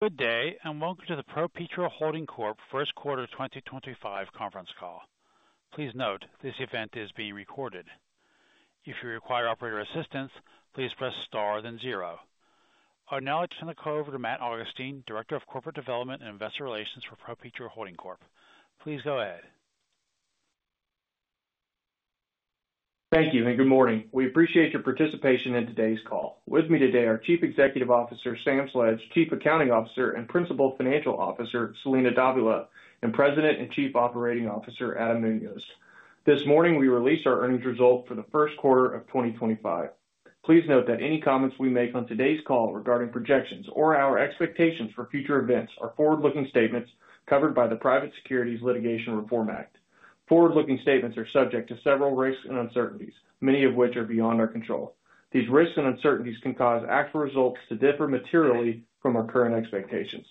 Good day, and welcome to the ProPetro Holding Corp Q1 2025 conference call. Please note this event is being recorded. If you require operator assistance, please press star then zero. I'll now turn the call over to Matt Augustine, Director of Corporate Development and Investor Relations for ProPetro Holding Corp. Please go ahead. Thank you, and good morning. We appreciate your participation in today's call. With me today are Chief Executive Officer Sam Sledge, Chief Accounting Officer and Principal Financial Officer Celina Davila, and President and Chief Operating Officer Adam Muñoz. This morning, we released our earnings results for the Q1 of 2025. Please note that any comments we make on today's call regarding projections or our expectations for future events are forward-looking statements covered by the Private Securities Litigation Reform Act. Forward-looking statements are subject to several risks and uncertainties, many of which are beyond our control. These risks and uncertainties can cause actual results to differ materially from our current expectations.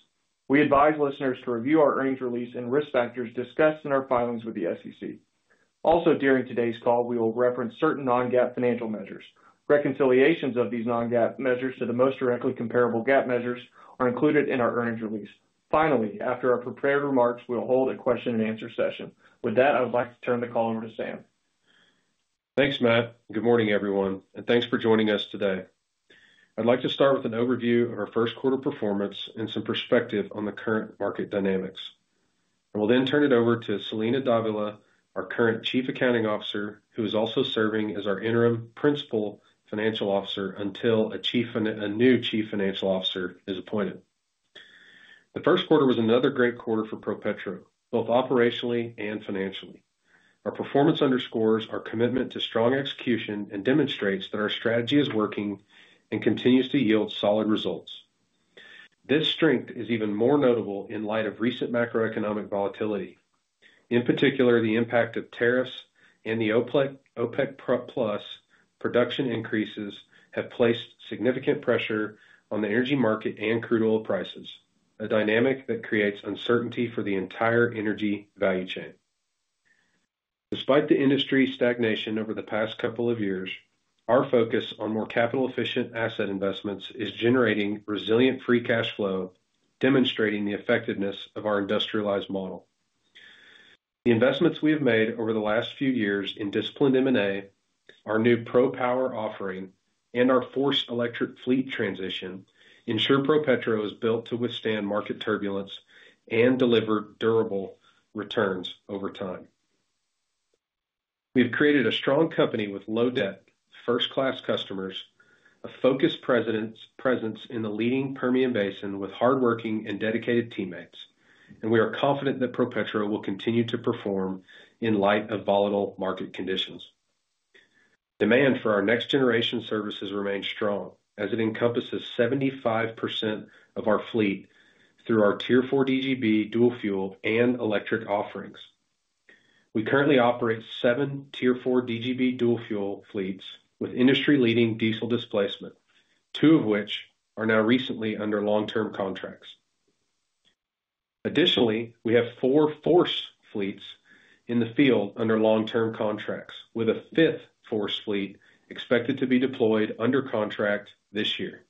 We advise listeners to review our earnings release and risk factors discussed in our filings with the SEC. Also, during today's call, we will reference certain non-GAAP financial measures. Reconciliations of these non-GAAP measures to the most directly comparable GAAP measures are included in our earnings release. Finally, after our prepared remarks, we'll hold a question-and-answer session. With that, I would like to turn the call over to Sam. Thanks, Matt. Good morning, everyone, and thanks for joining us today. I'd like to start with an overview of our Q1 performance and some perspective on the current market dynamics. We will then turn it over to Celina Davila, our current Chief Accounting Officer, who is also serving as our interim Principal Financial Officer until a new Chief Financial Officer is appointed. The Q1 was another great quarter for ProPetro, both operationally and financially. Our performance underscores our commitment to strong execution and demonstrates that our strategy is working and continues to yield solid results. This strength is even more notable in light of recent macroeconomic volatility. In particular, the impact of tariffs and the OPEC+ production increases have placed significant pressure on the energy market and crude oil prices, a dynamic that creates uncertainty for the entire energy value chain. Despite the industry's stagnation over the past couple of years, our focus on more capital-efficient asset investments is generating resilient free cash flow, demonstrating the effectiveness of our industrialized model. The investments we have made over the last few years in disciplined M&A, our new ProPower offering, and our FORCE electric fleet transition ensure ProPetro is built to withstand market turbulence and deliver durable returns over time. We have created a strong company with low debt, first-class customers, a focused presence in the leading Permian Basin with hardworking and dedicated teammates, and we are confident that ProPetro will continue to perform in light of volatile market conditions. Demand for our next-generation services remains strong as it encompasses 75% of our fleet through our Tier 4 DGB dual fuel and electric offerings. We currently operate seven Tier 4 DGB dual fuel fleets with industry-leading diesel displacement, two of which are now recently under long-term contracts. Additionally, we have four FORCE fleets in the field under long-term contracts, with a fifth FORCE fleet expected to be deployed under contract this year.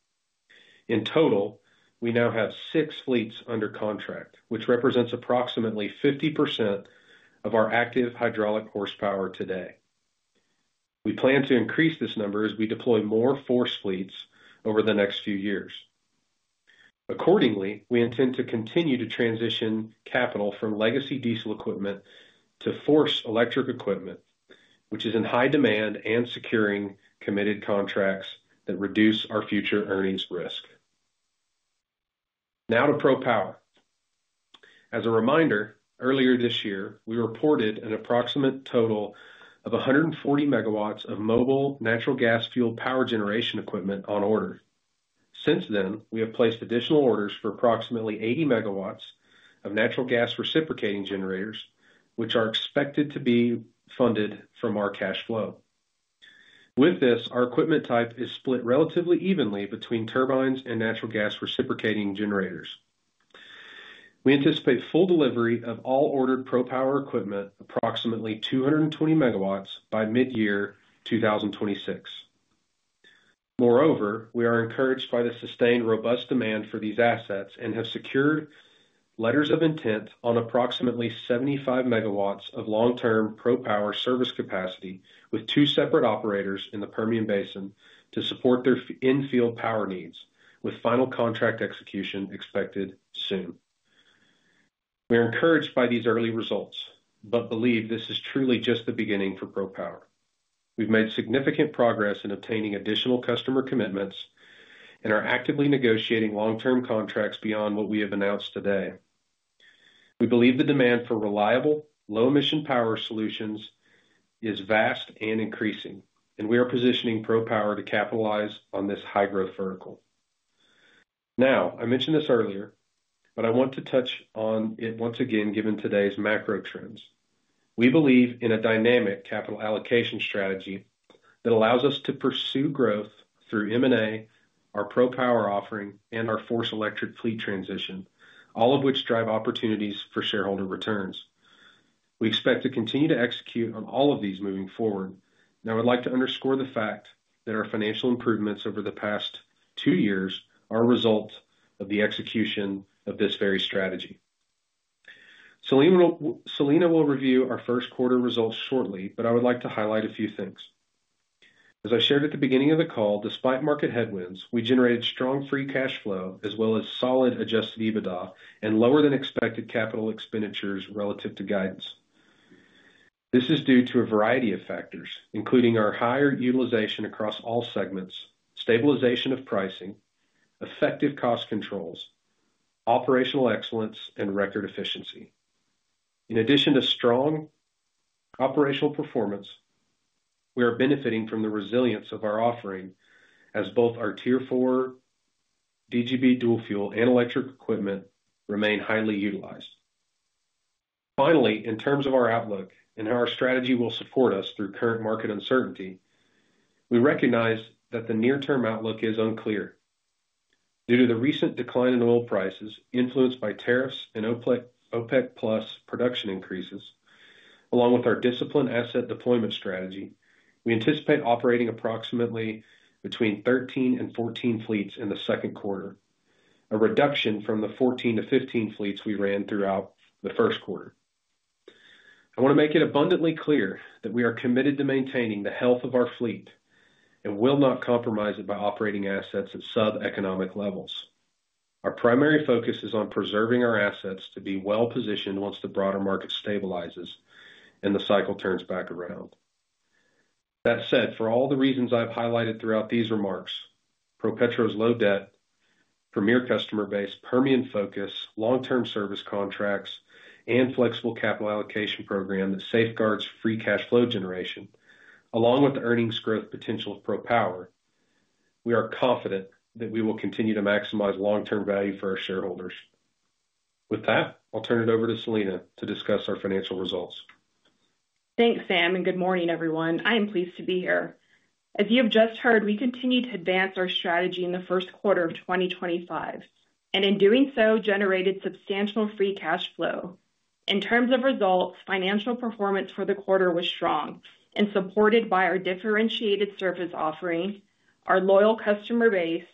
In total, we now have six fleets under contract, which represents approximately 50% of our active hydraulic horsepower today. We plan to increase this number as we deploy more FORCE fleets over the next few years. Accordingly, we intend to continue to transition capital from legacy diesel equipment to FORCE electric equipment, which is in high demand and securing committed contracts that reduce our future earnings risk. Now to ProPower. As a reminder, earlier this year, we reported an approximate total of 140 megawatts of mobile natural gas fuel power generation equipment on order. Since then, we have placed additional orders for approximately 80 megawatts of natural gas reciprocating generators, which are expected to be funded from our cash flow. With this, our equipment type is split relatively evenly between turbines and natural gas reciprocating generators. We anticipate full delivery of all ordered ProPower equipment, approximately 220 megawatts, by mid-year 2026. Moreover, we are encouraged by the sustained robust demand for these assets and have secured letters of intent on approximately 75 megawatts of long-term ProPower service capacity with two separate operators in the Permian Basin to support their in-field power needs, with final contract execution expected soon. We are encouraged by these early results but believe this is truly just the beginning for ProPower. We've made significant progress in obtaining additional customer commitments and are actively negotiating long-term contracts beyond what we have announced today. We believe the demand for reliable, low-emission power solutions is vast and increasing, and we are positioning ProPower to capitalize on this high-growth vertical. Now, I mentioned this earlier, but I want to touch on it once again given today's macro trends. We believe in a dynamic capital allocation strategy that allows us to pursue growth through M&A, our ProPower offering, and our FORCE electric fleet transition, all of which drive opportunities for shareholder returns. We expect to continue to execute on all of these moving forward, and I would like to underscore the fact that our financial improvements over the past two years are a result of the execution of this very strategy. Celina will review our Q1 results shortly, but I would like to highlight a few things. As I shared at the beginning of the call, despite market headwinds, we generated strong free cash flow as well as solid adjusted EBITDA and lower-than-expected capital expenditures relative to guidance. This is due to a variety of factors, including our higher utilization across all segments, stabilization of pricing, effective cost controls, operational excellence, and record efficiency. In addition to strong operational performance, we are benefiting from the resilience of our offering as both our Tier 4 DGB dual fuel and electric equipment remain highly utilized. Finally, in terms of our outlook and how our strategy will support us through current market uncertainty, we recognize that the near-term outlook is unclear. Due to the recent decline in oil prices influenced by tariffs and OPEC+ production increases, along with our disciplined asset deployment strategy, we anticipate operating approximately between 13 and 14 fleets in the second quarter, a reduction from the 14-15 fleets we ran throughout the Q1. I want to make it abundantly clear that we are committed to maintaining the health of our fleet and will not compromise it by operating assets at sub-economic levels. Our primary focus is on preserving our assets to be well-positioned once the broader market stabilizes and the cycle turns back around. That said, for all the reasons I've highlighted throughout these remarks, ProPetro's low debt, premier customer base, Permian focus, long-term service contracts, and flexible capital allocation program that safeguards free cash flow generation, along with the earnings growth potential of ProPower, we are confident that we will continue to maximize long-term value for our shareholders. With that, I'll turn it over to Celina to discuss our financial results. Thanks, Sam, and good morning, everyone. I am pleased to be here. As you have just heard, we continued to advance our strategy in the Q1 of 2025, and in doing so, generated substantial free cash flow. In terms of results, financial performance for the quarter was strong and supported by our differentiated service offering, our loyal customer base,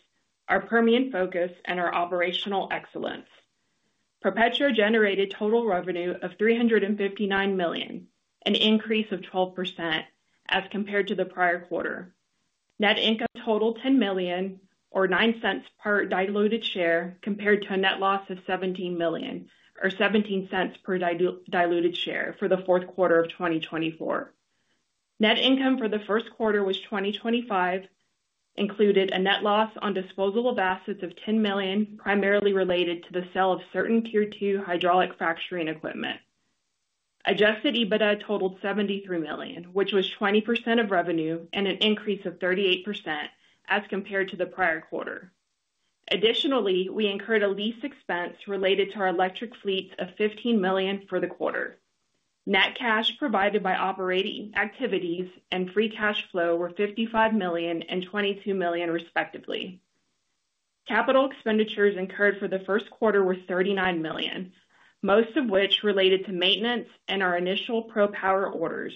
our Permian focus, and our operational excellence. ProPetro generated total revenue of $359 million, an increase of 12% as compared to the prior quarter. Net income totaled $10 million, or $0.09 per diluted share, compared to a net loss of $17 million, or $0.17 per diluted share for the Q4 of 2024. Net income for the Q1 of 2025 included a net loss on disposal of assets of $10 million, primarily related to the sale of certain Tier 2 hydraulic fracturing equipment. Adjusted EBITDA totaled $73 million, which was 20% of revenue and an increase of 38% as compared to the prior quarter. Additionally, we incurred a lease expense related to our electric fleets of $15 million for the quarter. Net cash provided by operating activities and free cash flow were $55 million and $22 million, respectively. Capital expenditures incurred for the Q1 were $39 million, most of which related to maintenance and our initial ProPower orders.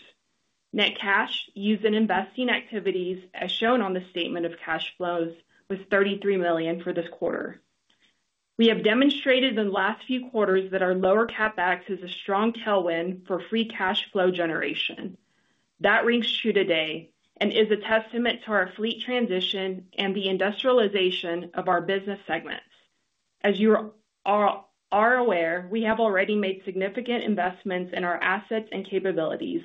Net cash used in investing activities, as shown on the statement of cash flows, was $33 million for this quarter. We have demonstrated in the last few quarters that our lower CapEx is a strong tailwind for free cash flow generation. That rings true today and is a testament to our fleet transition and the industrialization of our business segments. As you are aware, we have already made significant investments in our assets and capabilities,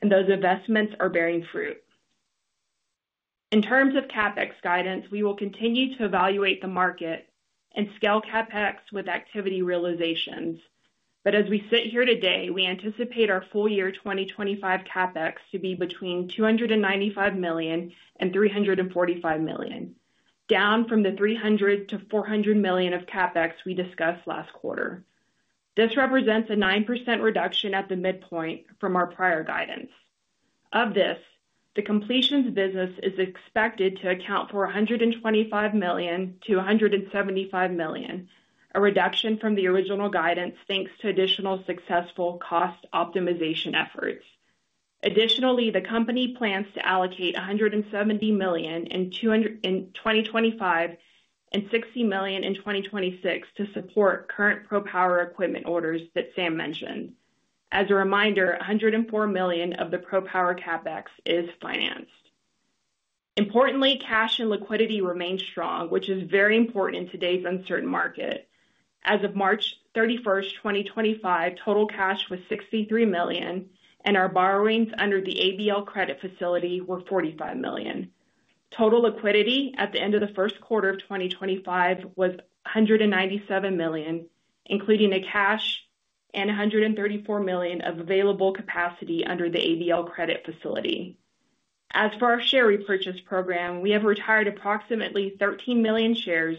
and those investments are bearing fruit. In terms of CapEx guidance, we will continue to evaluate the market and scale CapEx with activity realizations. As we sit here today, we anticipate our full year 2025 CapEx to be between $295 million and $345 million, down from the $300-400 million of CapEx we discussed last quarter. This represents a 9% reduction at the midpoint from our prior guidance. Of this, the completions business is expected to account for $125-175 million, a reduction from the original guidance thanks to additional successful cost optimization efforts. Additionally, the company plans to allocate $170 million in 2025 and $60 million in 2026 to support current ProPower equipment orders that Sam mentioned. As a reminder, $104 million of the ProPower CapEx is financed. Importantly, cash and liquidity remain strong, which is very important in today's uncertain market. As of March 31, 2025, total cash was $63 million, and our borrowings under the ABL credit facility were $45 million. Total liquidity at the end of the Q1 of 2025 was $197 million, including cash and $134 million of available capacity under the ABL credit facility. As for our share repurchase program, we have retired approximately 13 million shares,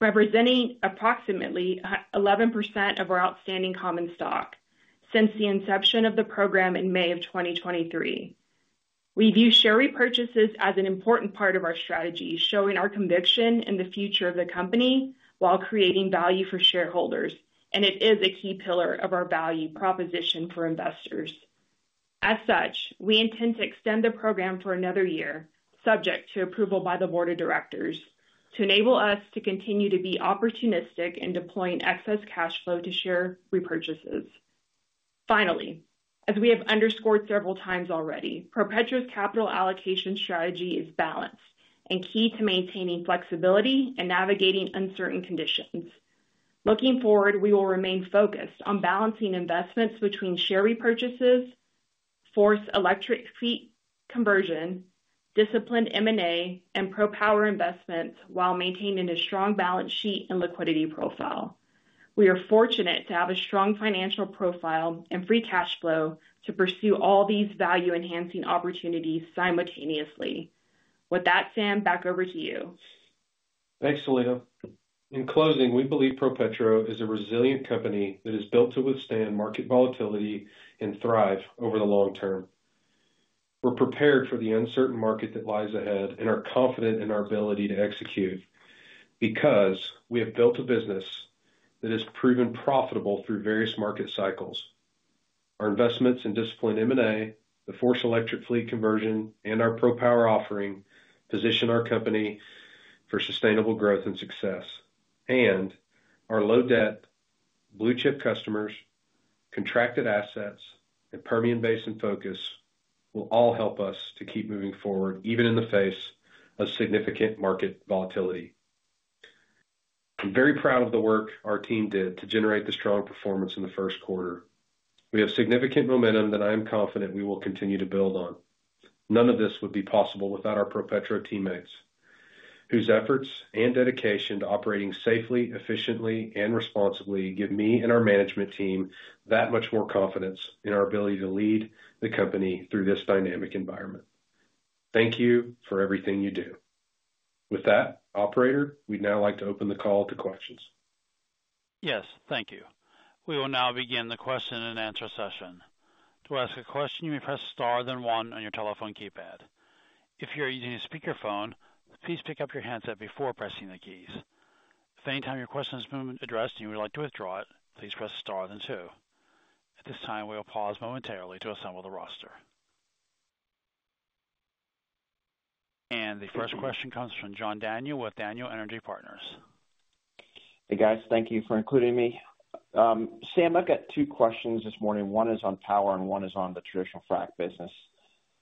representing approximately 11% of our outstanding common stock since the inception of the program in May of 2023. We view share repurchases as an important part of our strategy, showing our conviction in the future of the company while creating value for shareholders, and it is a key pillar of our value proposition for investors. As such, we intend to extend the program for another year, subject to approval by the board of directors, to enable us to continue to be opportunistic in deploying excess cash flow to share repurchases. Finally, as we have underscored several times already, ProPetro's capital allocation strategy is balanced and key to maintaining flexibility and navigating uncertain conditions. Looking forward, we will remain focused on balancing investments between share repurchases, FORCE electric fleet conversion, disciplined M&A, and ProPower investments while maintaining a strong balance sheet and liquidity profile. We are fortunate to have a strong financial profile and free cash flow to pursue all these value-enhancing opportunities simultaneously. With that, Sam, back over to you. Thanks, Celina. In closing, we believe ProPetro is a resilient company that is built to withstand market volatility and thrive over the long term. We are prepared for the uncertain market that lies ahead and are confident in our ability to execute because we have built a business that has proven profitable through various market cycles. Our investments in disciplined M&A, the FORCE electric fleet conversion, and our ProPower offering position our company for sustainable growth and success. Our low-debt blue-chip customers, contracted assets, and Permian-based focus will all help us to keep moving forward, even in the face of significant market volatility. I am very proud of the work our team did to generate the strong performance in the Q1. We have significant momentum that I am confident we will continue to build on. None of this would be possible without our ProPetro teammates, whose efforts and dedication to operating safely, efficiently, and responsibly give me and our management team that much more confidence in our ability to lead the company through this dynamic environment. Thank you for everything you do. With that, Operator, we'd now like to open the call to questions. Yes, thank you. We will now begin the question and answer session. To ask a question, you may press star then one on your telephone keypad. If you're using a speakerphone, please pick up your handset before pressing the keys. If any time your question has been addressed and you would like to withdraw it, please press star then two. At this time, we will pause momentarily to assemble the roster. The first question comes from John Daniel with Daniel Energy Partners. Hey, guys. Thank you for including me. Sam, I've got two questions this morning. One is on power and one is on the traditional frac business.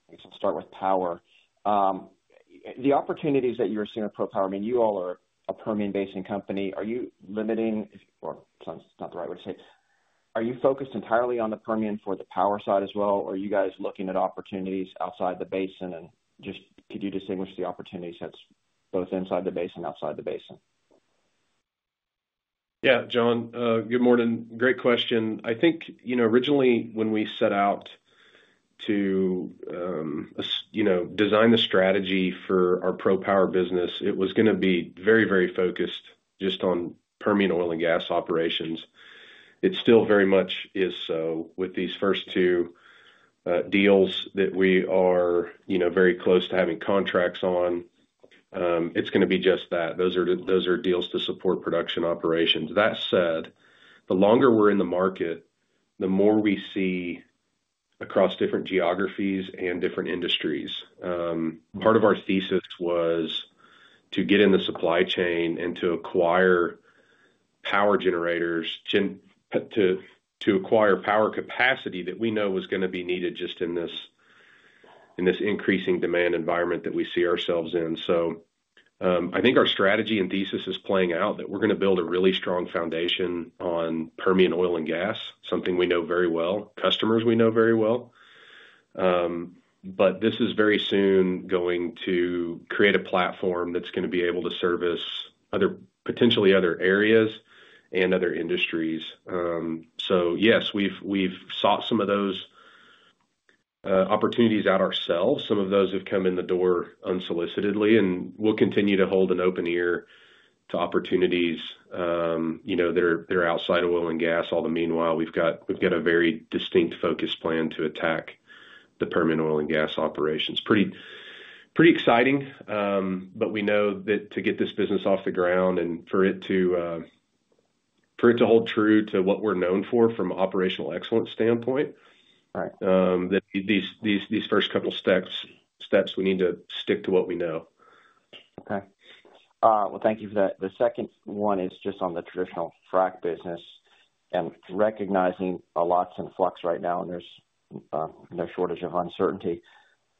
I guess I'll start with power. The opportunities that you're seeing at ProPower, I mean, you all are a Permian-based company. Are you limiting, or it's not the right way to say it, are you focused entirely on the Permian for the power side as well, or are you guys looking at opportunities outside the basin? Could you distinguish the opportunities that's both inside the basin and outside the basin? Yeah, John, good morning. Great question. I think, you know, originally when we set out to design the strategy for our ProPower business, it was going to be very, very focused just on Permian oil and gas operations. It still very much is so with these first two deals that we are very close to having contracts on. It's going to be just that. Those are deals to support production operations. That said, the longer we're in the market, the more we see across different geographies and different industries. Part of our thesis was to get in the supply chain and to acquire power generators, to acquire power capacity that we know was going to be needed just in this increasing demand environment that we see ourselves in. I think our strategy and thesis is playing out that we're going to build a really strong foundation on Permian oil and gas, something we know very well, customers we know very well. This is very soon going to create a platform that's going to be able to service potentially other areas and other industries. Yes, we've sought some of those opportunities out ourselves. Some of those have come in the door unsolicitedly, and we'll continue to hold an open ear to opportunities that are outside oil and gas. Although meanwhile, we've got a very distinct focus plan to attack the Permian oil and gas operations. Pretty exciting, but we know that to get this business off the ground and for it to hold true to what we're known for from an operational excellence standpoint, that these first couple of steps, we need to stick to what we know. Okay. Thank you for that. The second one is just on the traditional frac business and recognizing a lot's in flux right now, and there's no shortage of uncertainty.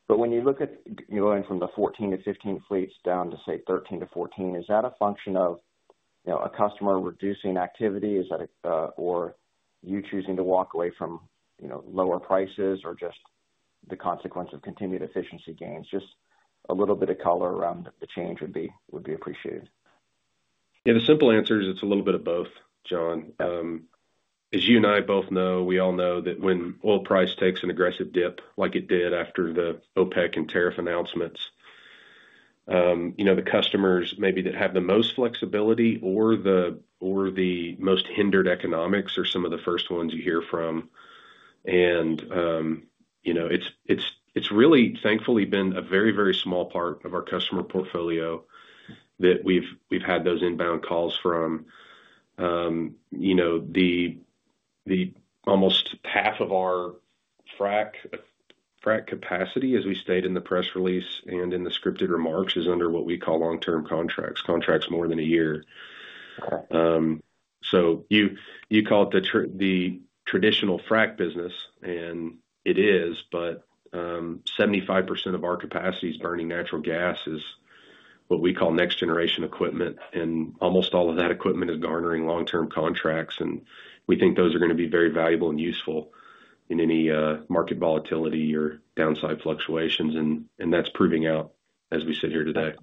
When you look at going from the 14 to 15 fleets down to, say, 13 to 14, is that a function of a customer reducing activity? Is that or you choosing to walk away from lower prices or just the consequence of continued efficiency gains? Just a little bit of color around the change would be appreciated. Yeah, the simple answer is it's a little bit of both, John. As you and I both know, we all know that when oil price takes an aggressive dip, like it did after the OPEC+ and tariff announcements, the customers maybe that have the most flexibility or the most hindered economics are some of the first ones you hear from. It's really, thankfully, been a very, very small part of our customer portfolio that we've had those inbound calls from. Almost half of our frac capacity, as we stated in the press release and in the scripted remarks, is under what we call long-term contracts, contracts more than a year. You call it the traditional frac business, and it is, but 75% of our capacity is burning natural gas, is what we call next-generation equipment, and almost all of that equipment is garnering long-term contracts. We think those are going to be very valuable and useful in any market volatility or downside fluctuations, and that's proving out as we sit here today.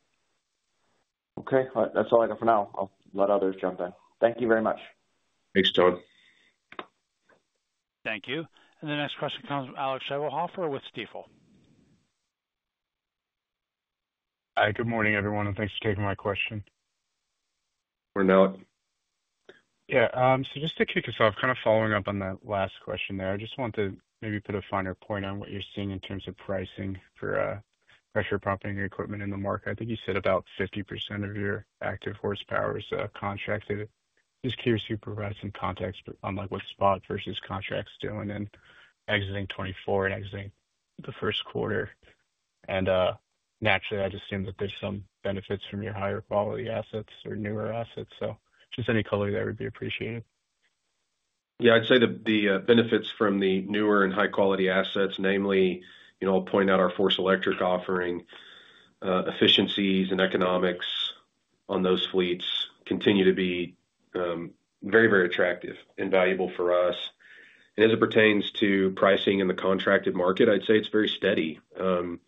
Okay. All right. That's all I got for now. I'll let others jump in. Thank you very much. Thanks, John. Thank you. The next question comes from Alex Schloemer with Stifel. Hi, good morning, everyone, and thanks for taking my question. We're not. Yeah. Just to kick us off, kind of following up on that last question there, I just want to maybe put a finer point on what you're seeing in terms of pricing for pressure pumping equipment in the market. I think you said about 50% of your active horsepower is contracted. Just curious if you provide some context on what Spot versus Contract's doing in exiting 2024 and exiting the Q1. Naturally, I just assume that there's some benefits from your higher-quality assets or newer assets. Just any color there would be appreciated. Yeah, I'd say the benefits from the newer and high-quality assets, namely, I'll point out our FORCE electric offering, efficiencies and economics on those fleets continue to be very, very attractive and valuable for us. As it pertains to pricing in the contracted market, I'd say it's very steady. When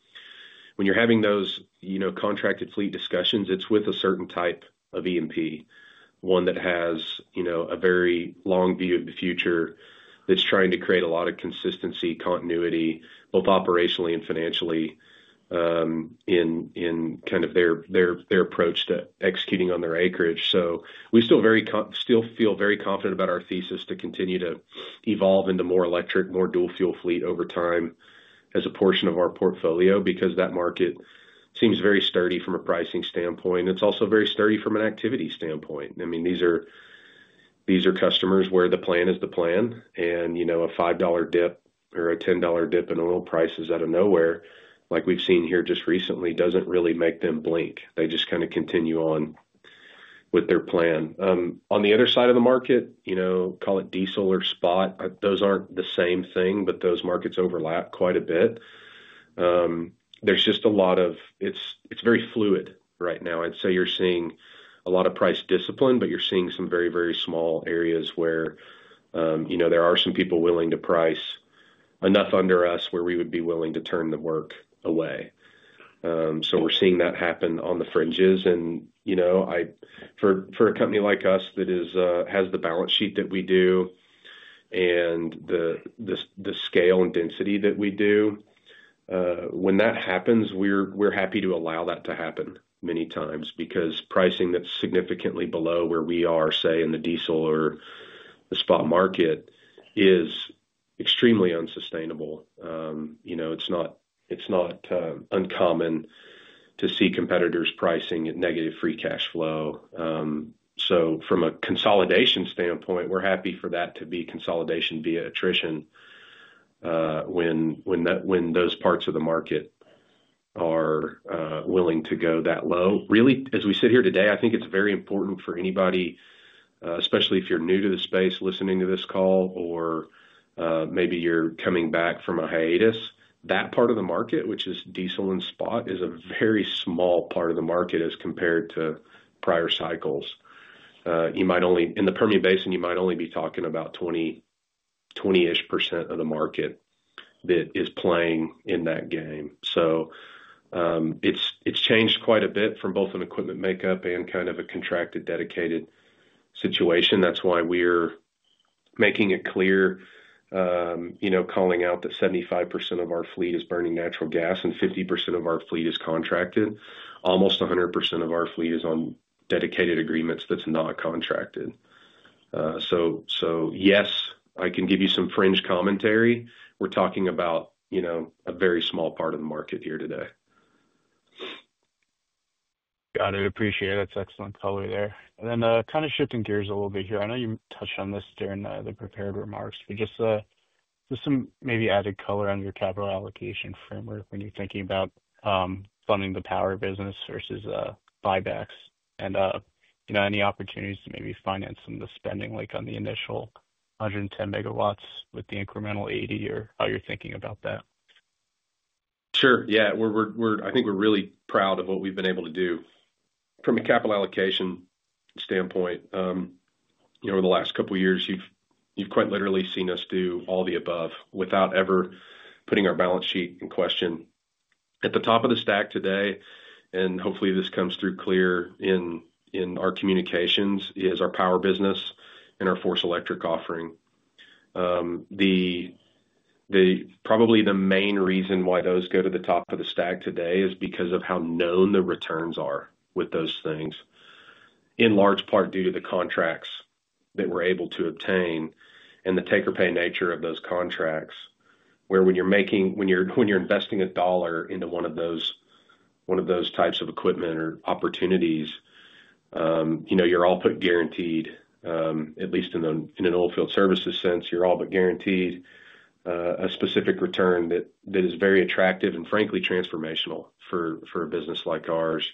you're having those contracted fleet discussions, it's with a certain type of E&P, one that has a very long view of the future that's trying to create a lot of consistency, continuity, both operationally and financially in kind of their approach to executing on their acreage. We still feel very confident about our thesis to continue to evolve into more electric, more dual-fuel fleet over time as a portion of our portfolio because that market seems very sturdy from a pricing standpoint. It's also very sturdy from an activity standpoint. I mean, these are customers where the plan is the plan, and a $5 dip or a $10 dip in oil prices out of nowhere, like we've seen here just recently, doesn't really make them blink. They just kind of continue on with their plan. On the other side of the market, call it diesel or Spot, those aren't the same thing, but those markets overlap quite a bit. There's just a lot of it's very fluid right now. I'd say you're seeing a lot of price discipline, but you're seeing some very, very small areas where there are some people willing to price enough under us where we would be willing to turn the work away. We're seeing that happen on the fringes. For a company like us that has the balance sheet that we do and the scale and density that we do, when that happens, we're happy to allow that to happen many times because pricing that's significantly below where we are, say, in the diesel or the Spot market, is extremely unsustainable. It's not uncommon to see competitors pricing at negative free cash flow. From a consolidation standpoint, we're happy for that to be consolidation via attrition when those parts of the market are willing to go that low. Really, as we sit here today, I think it's very important for anybody, especially if you're new to the space listening to this call, or maybe you're coming back from a hiatus, that part of the market, which is diesel and Spot, is a very small part of the market as compared to prior cycles. In the Permian Basin, you might only be talking about 20% of the market that is playing in that game. It has changed quite a bit from both an equipment makeup and kind of a contracted dedicated situation. That is why we are making it clear, calling out that 75% of our fleet is burning natural gas and 50% of our fleet is contracted. Almost 100% of our fleet is on dedicated agreements that are not contracted. Yes, I can give you some fringe commentary. We are talking about a very small part of the market here today. Got it. Appreciate it. That's excellent color there. Kind of shifting gears a little bit here. I know you touched on this during the prepared remarks, but just some maybe added color on your capital allocation framework when you're thinking about funding the power business versus buybacks and any opportunities to maybe finance some of the spending like on the initial 110 megawatts with the incremental 80 or how you're thinking about that. Sure. Yeah. I think we're really proud of what we've been able to do from a capital allocation standpoint. Over the last couple of years, you've quite literally seen us do all the above without ever putting our balance sheet in question. At the top of the stack today, and hopefully this comes through clear in our communications, is our power business and our FORCE electric offering. Probably the main reason why those go to the top of the stack today is because of how known the returns are with those things, in large part due to the contracts that we're able to obtain and the take-or-pay nature of those contracts, where when you're investing a dollar into one of those types of equipment or opportunities, you're all but guaranteed, at least in an oil field services sense, you're all but guaranteed a specific return that is very attractive and frankly transformational for a business like ours.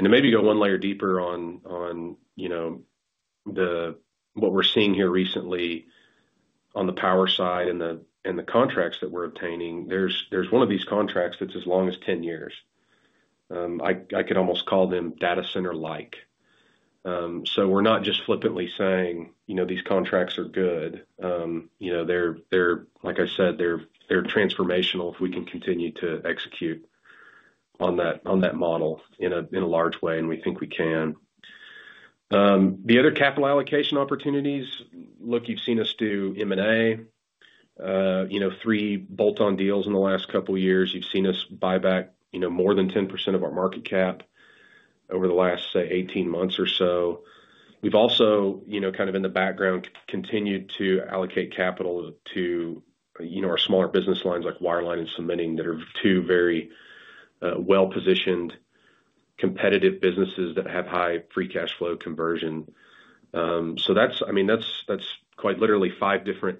To maybe go one layer deeper on what we're seeing here recently on the power side and the contracts that we're obtaining, there's one of these contracts that's as long as 10 years. I could almost call them data center-like. We're not just flippantly saying these contracts are good. Like I said, they're transformational if we can continue to execute on that model in a large way, and we think we can. The other capital allocation opportunities, look, you've seen us do M&A, three bolt-on deals in the last couple of years. You've seen us buy back more than 10% of our market cap over the last, say, 18 months or so. We've also kind of in the background continued to allocate capital to our smaller business lines like wireline and cementing that are two very well-positioned competitive businesses that have high free cash flow conversion. I mean, that's quite literally five different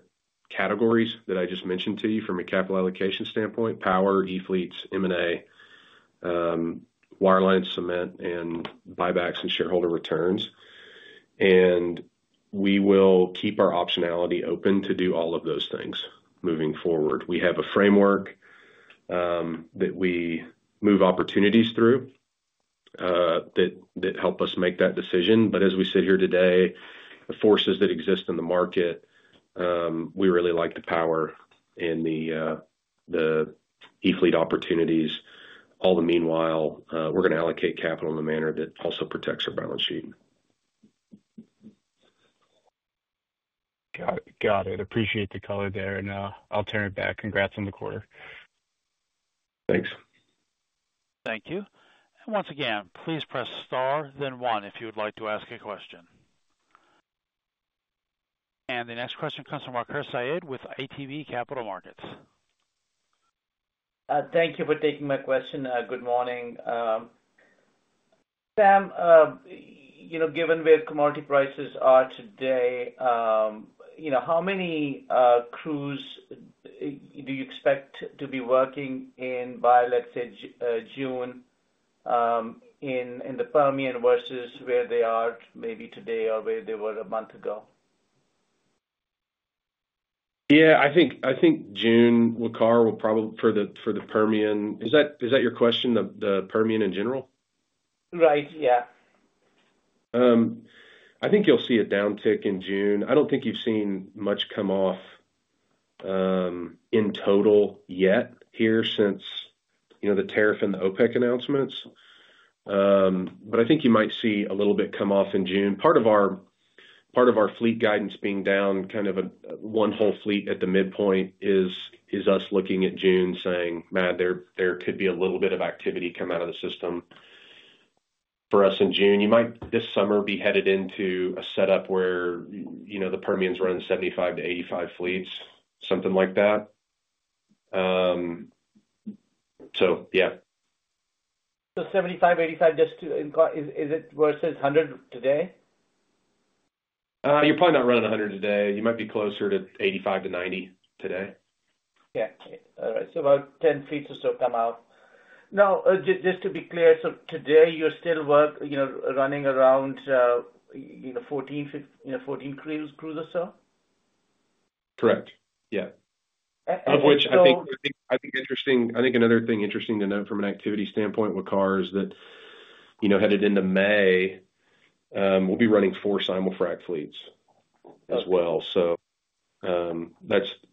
categories that I just mentioned to you from a capital allocation standpoint: power, E fleets, M&A, wireline, cement, and buybacks and shareholder returns. We will keep our optionality open to do all of those things moving forward. We have a framework that we move opportunities through that help us make that decision. As we sit here today, the forces that exist in the market, we really like the power and the E fleet opportunities. All the meanwhile, we're going to allocate capital in a manner that also protects our balance sheet. Got it. Got it. Appreciate the color there. I'll turn it back. Congrats on the quarter. Thanks. Thank you. Once again, please press star, then one if you would like to ask a question. The next question comes from Waqar Syed with ATB Capital Markets. Thank you for taking my question. Good morning. Sam, given where commodity prices are today, how many crews do you expect to be working in by, let's say, June in the Permian versus where they are maybe today or where they were a month ago? Yeah. I think June will cover for the Permian. Is that your question, the Permian in general? Right. Yeah. I think you'll see a downtick in June. I don't think you've seen much come off in total yet here since the tariff and the OPEC+ announcements. I think you might see a little bit come off in June. Part of our fleet guidance being down kind of one whole fleet at the midpoint is us looking at June saying, "Man, there could be a little bit of activity come out of the system for us in June." You might this summer be headed into a setup where the Permian's run 75-85 fleets, something like that. Yeah. Seventy-five, eighty-five, just to include it, is it versus one hundred today? You're probably not running 100 today. You might be closer to 85-90 today. Yeah. All right. So about 10 fleets or so come out. Now, just to be clear, today you're still running around 14 crews or so? Correct. Yeah. Of which I think interesting, I think another thing interesting to note from an activity standpoint with cars that headed into May, we will be running four simul-frac fleets as well.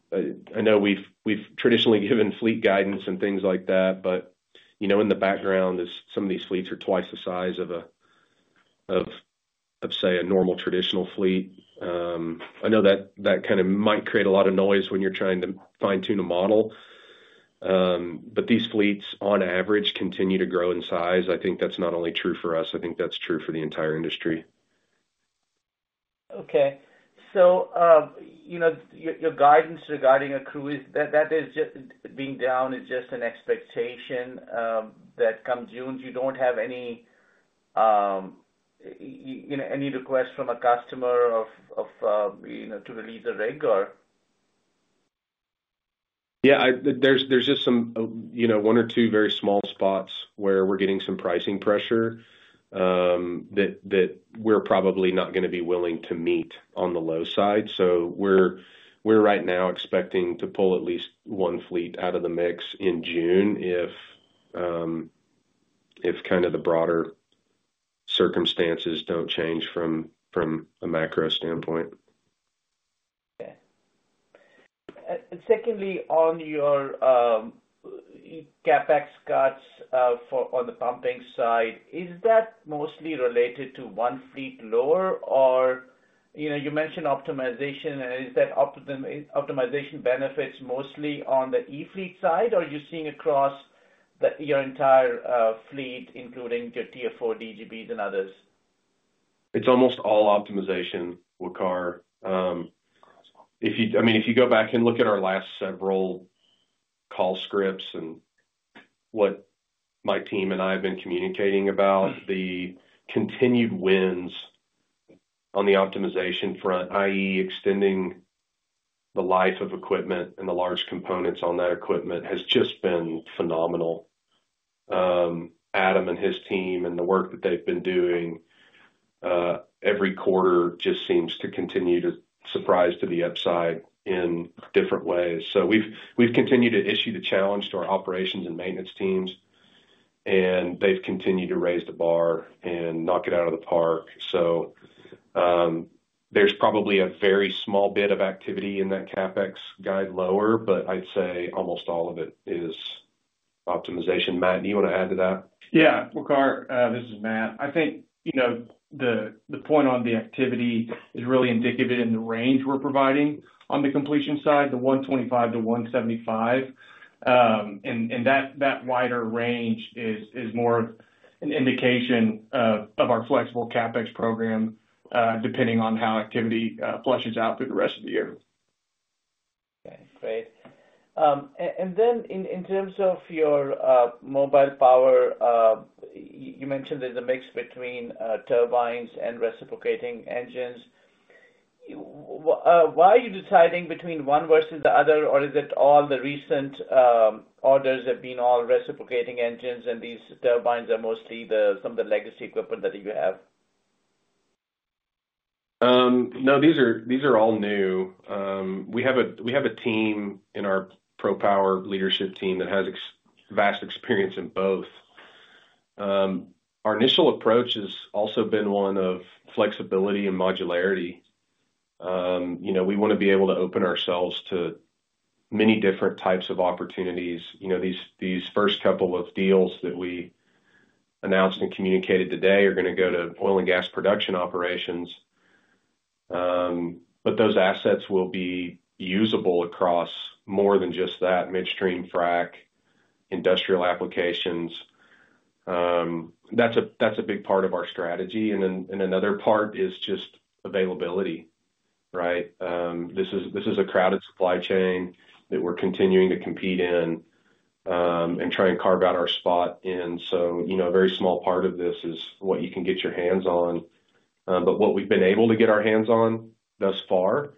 I know we have traditionally given fleet guidance and things like that, but in the background, some of these fleets are twice the size of, say, a normal traditional fleet. I know that kind of might create a lot of noise when you are trying to fine-tune a model. These fleets, on average, continue to grow in size. I think that is not only true for us. I think that is true for the entire industry. Okay. Your guidance regarding a crew, that being down, is just an expectation that come June, you do not have any requests from a customer to release a rig or? Yeah. There's just one or two very small spots where we're getting some pricing pressure that we're probably not going to be willing to meet on the low side. We are right now expecting to pull at least one fleet out of the mix in June if kind of the broader circumstances don't change from a macro standpoint. Yeah. Secondly, on your CapEx cuts on the pumping side, is that mostly related to one fleet lower? Or you mentioned optimization. Is that optimization benefits mostly on the E fleet side, or are you seeing across your entire fleet, including your Tier 4 DGBs and others? It's almost all optimization with CapEx. I mean, if you go back and look at our last several call scripts and what my team and I have been communicating about, the continued wins on the optimization front, i.e., extending the life of equipment and the large components on that equipment has just been phenomenal. Adam and his team and the work that they've been doing every quarter just seems to continue to surprise to the upside in different ways. We have continued to issue the challenge to our operations and maintenance teams, and they've continued to raise the bar and knock it out of the park. There is probably a very small bit of activity in that CapEx guide lower, but I'd say almost all of it is optimization. Matt, do you want to add to that? Yeah. This is Matt. I think the point on the activity is really indicative in the range we're providing on the completion side, the 125-175. That wider range is more of an indication of our flexible CapEx program depending on how activity flushes out through the rest of the year. Okay. Great. In terms of your mobile power, you mentioned there is a mix between turbines and reciprocating engines. Why are you deciding between one versus the other, or is it all the recent orders have been all reciprocating engines and these turbines are mostly some of the legacy equipment that you have? No, these are all new. We have a team in our ProPower leadership team that has vast experience in both. Our initial approach has also been one of flexibility and modularity. We want to be able to open ourselves to many different types of opportunities. These first couple of deals that we announced and communicated today are going to go to oil and gas production operations. Those assets will be usable across more than just that midstream frac, industrial applications. That is a big part of our strategy. Another part is just availability, right? This is a crowded supply chain that we are continuing to compete in and try and carve out our spot in. A very small part of this is what you can get your hands on. What we've been able to get our hands on thus far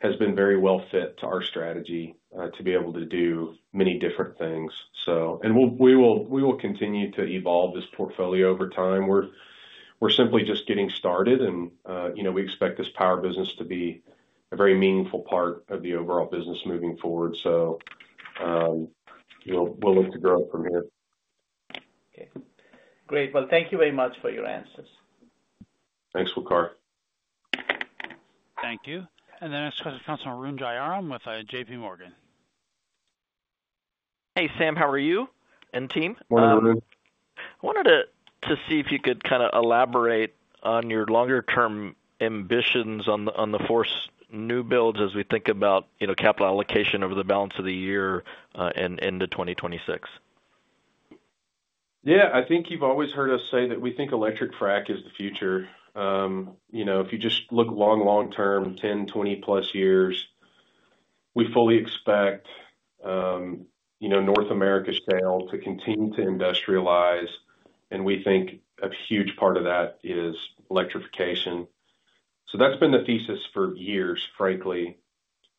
has been very well fit to our strategy to be able to do many different things. We will continue to evolve this portfolio over time. We're simply just getting started, and we expect this power business to be a very meaningful part of the overall business moving forward. We'll look to grow from here. Okay. Great. Thank you very much for your answers. Thanks, Waqar. Thank you. The next question comes from Arun Jayaram with JPMorgan. Hey, Sam. How are you and team? Morning. I wanted to see if you could kind of elaborate on your longer-term ambitions on the FORCE new builds as we think about capital allocation over the balance of the year and into 2026. Yeah. I think you've always heard us say that we think electric frac is the future. If you just look long, long-term, 10, 20-plus years, we fully expect North America's shale to continue to industrialize. We think a huge part of that is electrification. That's been the thesis for years, frankly.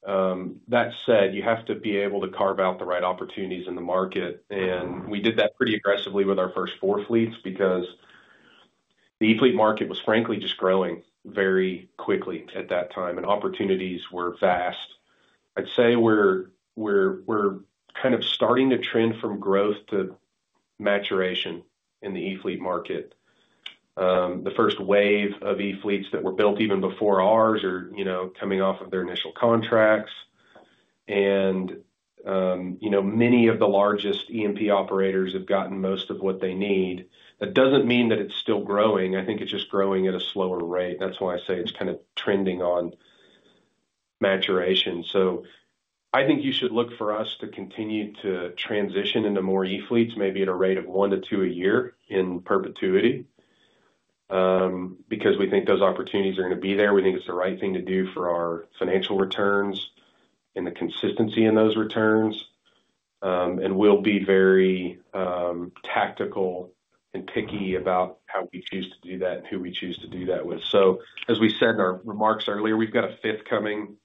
That said, you have to be able to carve out the right opportunities in the market. We did that pretty aggressively with our first four fleets because the E fleet market was frankly just growing very quickly at that time, and opportunities were vast. I'd say we're kind of starting to trend from growth to maturation in the E fleet market. The first wave of E fleets that were built even before ours are coming off of their initial contracts. Many of the largest E&P operators have gotten most of what they need. That doesn't mean that it's still growing. I think it's just growing at a slower rate. That's why I say it's kind of trending on maturation. I think you should look for us to continue to transition into more E fleets, maybe at a rate of one to two a year in perpetuity because we think those opportunities are going to be there. We think it's the right thing to do for our financial returns and the consistency in those returns. We'll be very tactical and picky about how we choose to do that and who we choose to do that with. As we said in our remarks earlier, we've got a fifth coming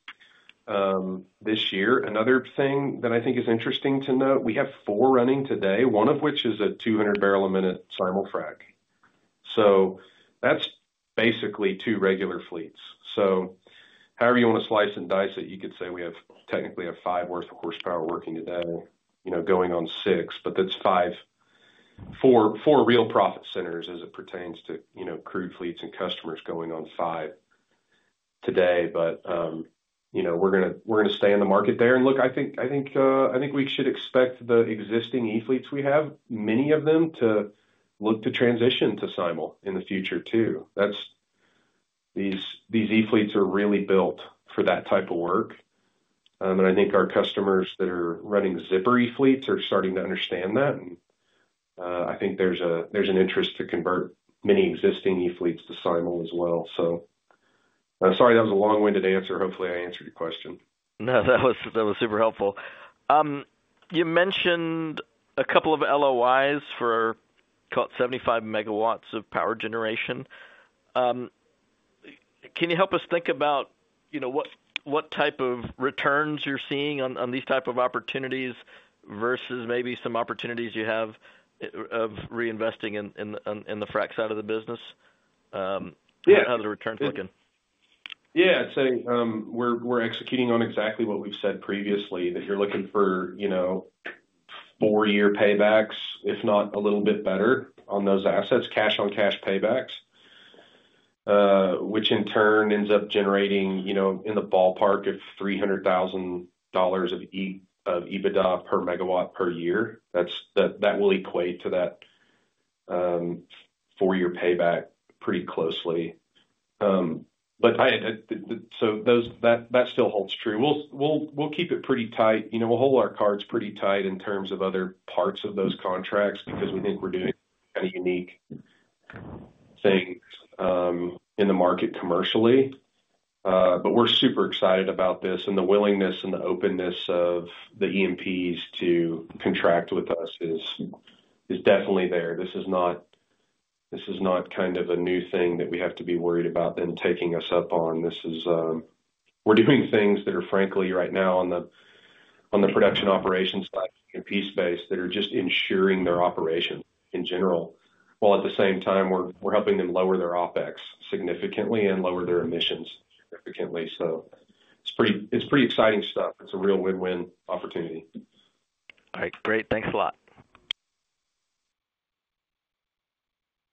this year. Another thing that I think is interesting to note, we have four running today, one of which is a 200 barrel a minute simul-frac. That's basically two regular fleets. However you want to slice and dice it, you could say we have technically a five-horsepower working today going on six. That is four real profit centers as it pertains to crewed fleets and customers going on five today. We are going to stay in the market there. I think we should expect the existing E fleets we have, many of them, to look to transition to simul in the future too. These E fleets are really built for that type of work. I think our customers that are running zipper E fleets are starting to understand that. I think there is an interest to convert many existing E fleets to simul as well. Sorry, that was a long-winded answer. Hopefully, I answered your question. No, that was super helpful. You mentioned a couple of LOIs for 75 megawatts of power generation. Can you help us think about what type of returns you're seeing on these types of opportunities versus maybe some opportunities you have of reinvesting in the frac side of the business? How do the returns look? Yeah. I'd say we're executing on exactly what we've said previously, that you're looking for four-year paybacks, if not a little bit better on those assets, cash-on-cash paybacks, which in turn ends up generating in the ballpark of $300,000 of EBITDA per megawatt per year. That will equate to that four-year payback pretty closely. That still holds true. We'll keep it pretty tight. We'll hold our cards pretty tight in terms of other parts of those contracts because we think we're doing kind of unique things in the market commercially. We're super excited about this. The willingness and the openness of the EMPs to contract with us is definitely there. This is not kind of a new thing that we have to be worried about them taking us up on. We're doing things that are, frankly, right now on the production operations side of the piece base that are just ensuring their operation in general, while at the same time, we're helping them lower their OpEx significantly and lower their emissions significantly. It's pretty exciting stuff. It's a real win-win opportunity. All right. Great. Thanks a lot.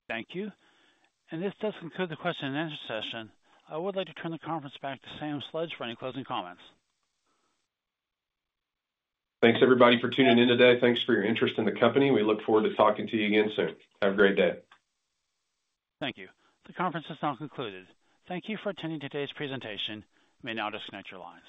Thank you. This does conclude the question-and-answer session. I would like to turn the conference back to Sam Sledge for any closing comments. Thanks, everybody, for tuning in today. Thanks for your interest in the company. We look forward to talking to you again soon. Have a great day. Thank you. The conference has now concluded. Thank you for attending today's presentation. You may now disconnect your lines.